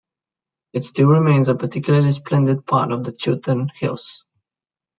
It still remains a particularly splendid part of the Chiltern Hills.